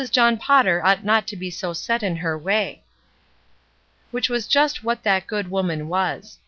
John Potter ought not to be so set in her way." Which was just what that good woman was.